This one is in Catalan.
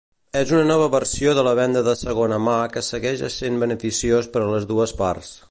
És una nova versió de la venda de segona mà que segueix essent beneficiós per les dues parts.